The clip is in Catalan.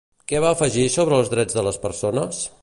Què va afegir sobre els drets de les persones?